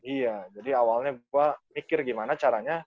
iya jadi awalnya gue mikir gimana caranya